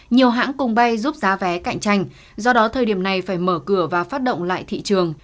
nhiều hãng cùng bay giúp giá vé cạnh tranh do đó thời điểm này phải mở cửa và phát động lại thị trường